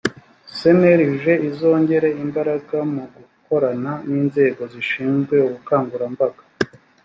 cnlg izongera imbaraga mu gukorana n inzego zishinzwe ubukangurambaga